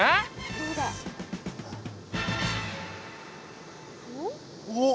どうだ？おっ？